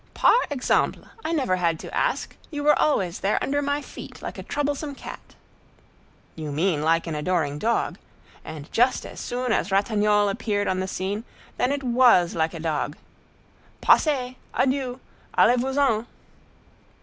'" "Par exemple! I never had to ask. You were always there under my feet, like a troublesome cat." "You mean like an adoring dog. And just as soon as Ratignolle appeared on the scene, then it was like a dog. '_Passez! Adieu! Allez vous en!